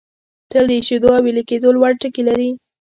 تل د ایشېدو او ویلي کېدو لوړ ټکي لري.